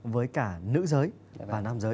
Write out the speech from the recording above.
với cả nữ giới và nam giới